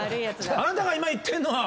あなたが今言ってんのは。